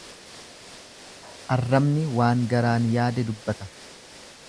Arrabni waan garaan yaade dubbata.